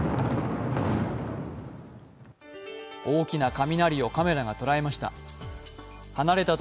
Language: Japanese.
大きな雷をカメラが捉えました。